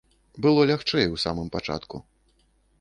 Было лягчэй ў самым пачатку.